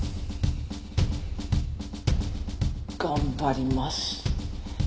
頑張ります。